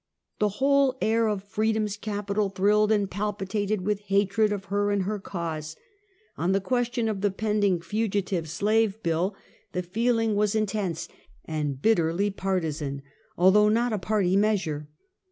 " The whole air of Freedom's capital thrilled and pal pitated with hatred of her and her cause. On the question of the pending Fugitive Slave Bill, the feel ing was intense and bitterly partisan, although not a party measure.